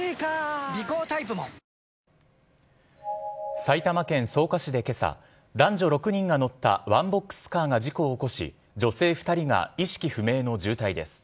埼玉県草加市で今朝男女６人が乗ったワンボックスカーが事故を起こし女性２人が意識不明の重体です。